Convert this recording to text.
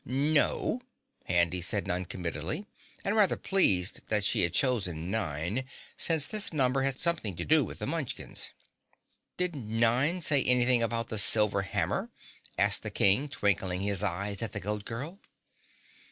"No!" Handy said noncommittally, and rather pleased she had chosen Nine, since this number had something to do with the Munchkins. "Did Nine say anything about the silver hammer?" asked the King, twinkling his eyes at the Goat Girl.